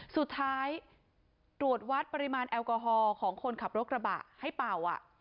สุดท้ายตรวจวัดปริมาณแอลกอฮอล์ของคนขับรถกระบะให้เป่า